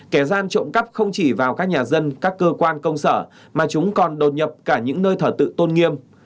kẻ gian trộm cắp không chỉ vào các nhà dân các cơ quan công sở mà chúng còn đột nhập cả những nơi thờ tự tôn nghiêm